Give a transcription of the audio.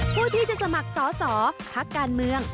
ผู้ที่จะสมัครสอสอพักการเมือง